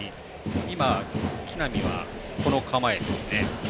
今、木浪はバントの構えですね。